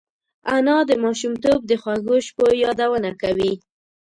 انا د ماشومتوب د خوږو شپو یادونه کوي